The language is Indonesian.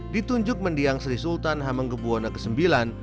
ditunjuk mendiang sri sultan hamenggebuwono ix